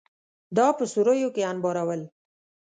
دا په سوریو کې انبارول